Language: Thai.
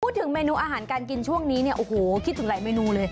เมนูอาหารการกินช่วงนี้เนี่ยโอ้โหคิดถึงหลายเมนูเลย